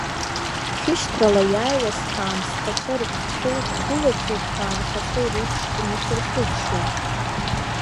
Хьышьҭрала иааиуаз ҳаамсҭцәа рҳәцәоуп, қәылацәоуп ҳәа, анхацәа иреиԥштәны шәырхыччоит.